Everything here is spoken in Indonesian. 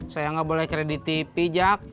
saya gak boleh kredit tipi jack